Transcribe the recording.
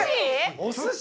お寿司！？